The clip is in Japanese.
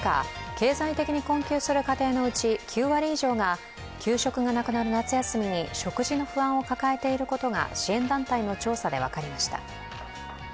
経済的に困窮する家庭のうち９割以上が給食がなくなる夏休みに食事の不安を抱えていることが支援団体の調査で分かりました。